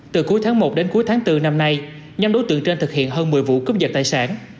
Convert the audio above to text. từ cuối tháng một đến cuối tháng bốn năm nay nhắm đối tượng trên thực hiện hơn một mươi vụ cướp dật tài sản